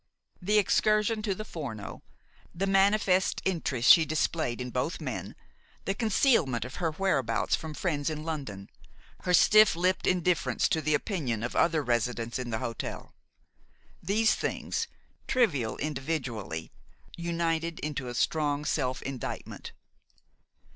The excursion to the Forno, the manifest interest she displayed in both men, the concealment of her whereabouts from friends in London, her stiff lipped indifference to the opinion of other residents in the hotel, these things, trivial individually, united into a strong self indictment.